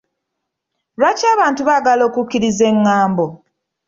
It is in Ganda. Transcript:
Lwaki abantu baagala okukkiriza engambo?